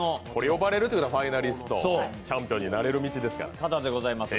呼ばれるってことはファイナリスト、チャンピオンになれる道ですから。